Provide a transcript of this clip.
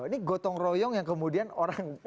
ini gotong royong yang kemudian orang